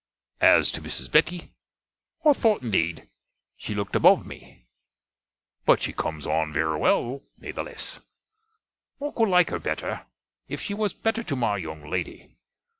As to Mrs. Betty; I tho'te, indeed, she looked above me. But she comes on vere well, natheless. I could like her better, iff she was better to my young lady.